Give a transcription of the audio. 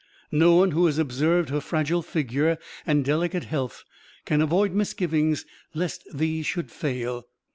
No one who has observed her fragile figure and delicate health can avoid misgivings lest these should fail....